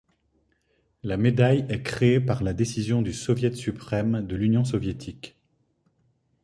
La médaille est créée par la décision du Soviet suprême de l'Union soviétique.